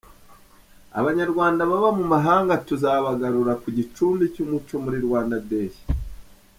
Abanyarwanda baba mu mahanga tuzabagarura ku gicumbi cy’umuco muri Rwanda Day.